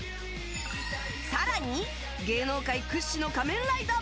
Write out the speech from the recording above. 更に、芸能界屈指の「仮面ライダー」